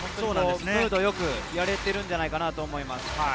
ムードよくやれているんじゃないかなと思います。